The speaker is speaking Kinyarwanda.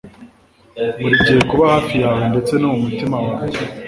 Burigihe kuba hafi yawe ndetse no mumutima wanjye